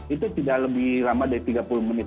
itu tidak lebih lama dari tiga puluh menit